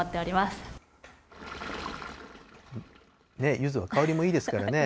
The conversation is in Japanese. ゆずは香りもいいですからね。